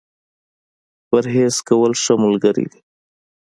پرهېز کول ، ښه ملګری دی.